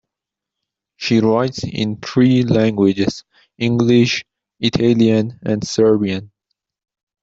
She writes in three languages: English, Italian and Serbian.